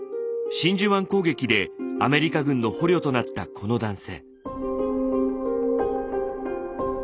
真珠湾攻撃でアメリカ軍の捕虜となったこの男性。